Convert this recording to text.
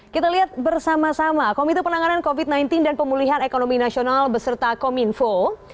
kita lihat bersama sama komite penanganan covid sembilan belas dan pemulihan ekonomi nasional beserta kominfo